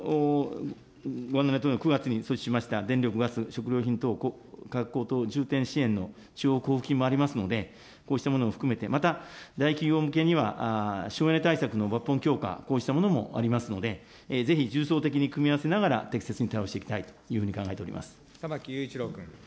ご案内のとおり９月にしました、電力、ガス、食料品等、価格高騰重点支援の地方交付金もありますので、こうしたものも含めて、また大企業向けには、将来対策の抜本強化、こうしたものもありますので、ぜひ重層的に組み合わせながら適切に対応していきたいとい玉木雄一郎君。